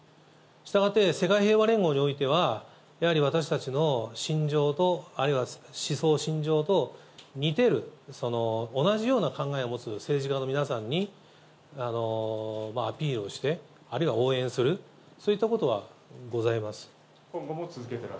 したがって世界平和連合においては、やはり私たちの信条と、あるいは思想、信条と似ている、同じような考えを持つ政治家の皆さんにアピールをして、あるいは応援する、そういったことはございます。